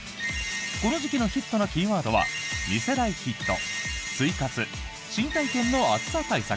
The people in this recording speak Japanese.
この時期のヒットなキーワードは２世代ヒット、睡活新体験の暑さ対策